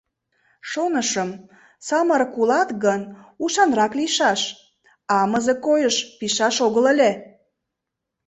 Шонышым, самырык улат гын, ушанрак лийшаш, амызе койыш пижшаш огыл ыле.